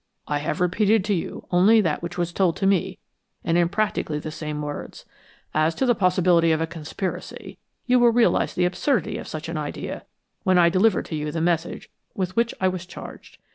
I have repeated to you only that which was told to me, and in practically the same words. As to the possibility of a conspiracy, you will realize the absurdity of such an idea when I deliver to you the message with which I was charged.